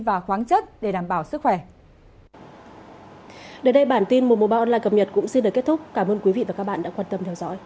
và khoáng chất để đảm bảo sức khỏe